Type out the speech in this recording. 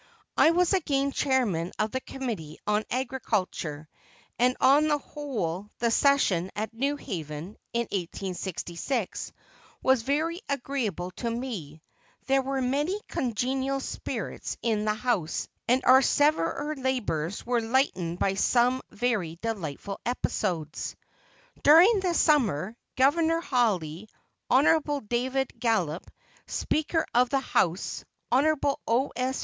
I was again chairman of the Committee on Agriculture, and on the whole the session at New Haven, in 1866, was very agreeable to me; there were many congenial spirits in the House and our severer labors were lightened by some very delightful episodes. During the summer, Governor Hawley, Hon. David Gallup, Speaker of the House, Hon. O. S.